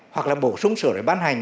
hoặc bổ sung sửa đổi ban hành